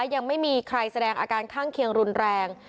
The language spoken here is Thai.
ยังไม่มีใครแสดงอาการข้างเคียงรุนแรง